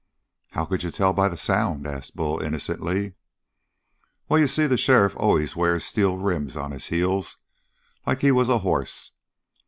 "How could you tell by the sound?" asked Bull innocently. "Well, you see the sheriff always wears steel rims on his heels like he was a horse.